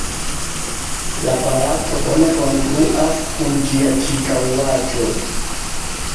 La palaco bone kongruas kun ĝia ĉirkaŭaĵo.